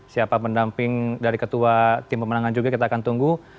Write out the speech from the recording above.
siapa pendamping dari ketua tim pemenangan juga kita akan tunggu